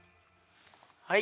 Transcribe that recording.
はい。